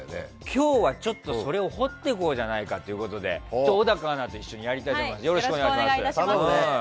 今日はちょっとそれを掘っていこうじゃないかということで小高アナと一緒にやりたいと思います。